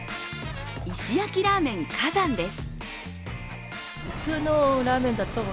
石焼らーめん火山です。